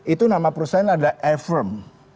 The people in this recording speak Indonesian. itu nama perusahaan ada e firm